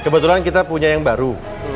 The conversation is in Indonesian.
kebetulan kita punya yang baru